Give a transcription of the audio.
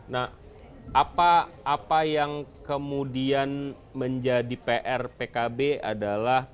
nah apa yang kemudian menjadi pr pkb adalah